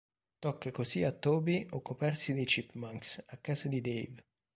Tocca così a Toby occuparsi dei Chipmunks a casa di Dave.